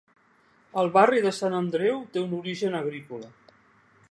El barri de Sant Andreu té un origen agrícola.